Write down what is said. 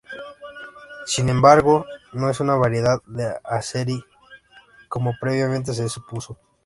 Sin embargo, no es una variedad de azerí, como previamente se supuso.